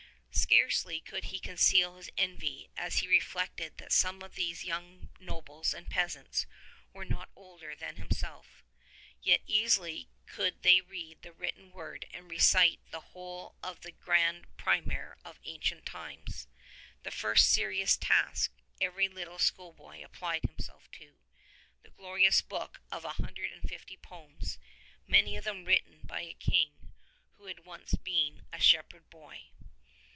Scarcely could he conceal his envy as he reflected that some of these young nobles and peasants were not older than himself ; yet easily could they read the written word and recite the whole of that grand primer of ancient times, the^first serious task every little schoolboy applied himself to, the glorious book of a hundred and fifty poems, many of them written by a king who had once been a shepherd boy.